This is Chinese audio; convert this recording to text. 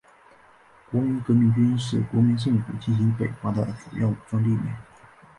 国民革命军是国民政府进行北伐的主要武装力量。